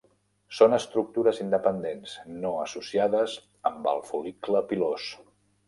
Són estructures independents, no associades amb el fol·licle pilós.